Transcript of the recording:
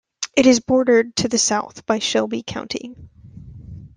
It is bordered to the south by Shelby County.